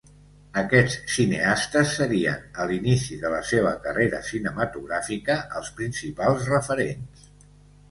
Aquests cineastes serien, a l'inici de la seva carrera cinematogràfica, els principals referents.